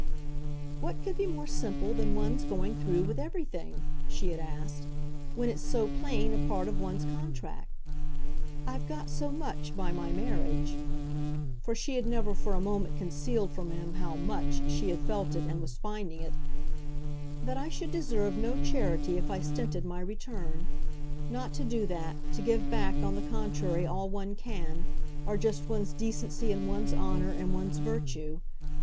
"What could be more simple than one's going through with everything," she had asked, "when it's so plain a part of one's contract? I've got so much, by my marriage" for she had never for a moment concealed from him how "much" she had felt it and was finding it "that I should deserve no charity if I stinted my return. Not to do that, to give back on the contrary all one can, are just one's decency and one's honour and one's virtue.